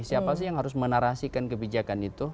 siapa sih yang harus menarasikan kebijakan itu